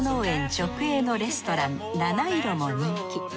直営のレストラン菜七色も人気。